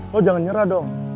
lo jangan nyerah dong